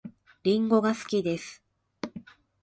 りんごが好きです